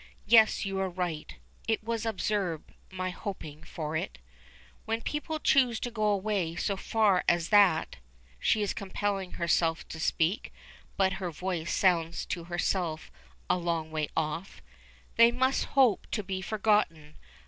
Yes, you are right. It was absurd my hoping for it." "When people choose to go away so far as that " she is compelling herself to speak, but her voice sounds to herself a long way off. "They must hope to be forgotten.